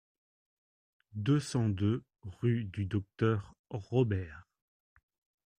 deux cent deux rue du Docteur Robert